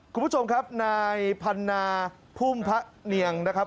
คุณผู้ชมครับนายพันนาพุ่มพะเนียงนะครับ